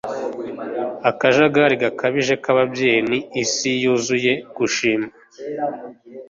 akajagari gakabije k'ababyeyi ni isi yuzuye gushima